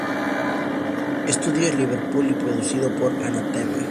Studios, Liverpool, y producido por Anathema.